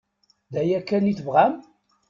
D aya kan i tebɣam?